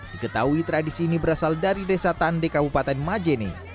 diketahui tradisi ini berasal dari desa tande kabupaten majene